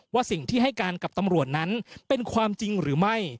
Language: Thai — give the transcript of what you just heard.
ว่าสิ่งที่ให้การกับตำรวจนั้นเป็นความจริงหรือไม่